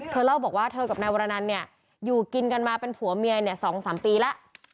เล่าบอกว่าเธอกับนายวรนันเนี่ยอยู่กินกันมาเป็นผัวเมียเนี่ย๒๓ปีแล้ว